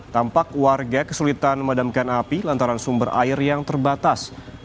tampak warga kesulitan memadamkan api lantaran sumber air yang terbatas